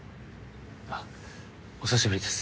あっお久しぶりです。